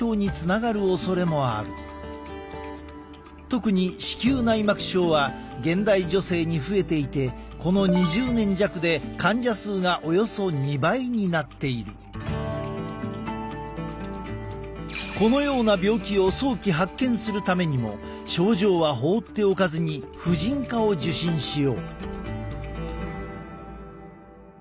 特に子宮内膜症は現代女性に増えていてこのような病気を早期発見するためにも症状は放っておかずに婦人科を受診しよう。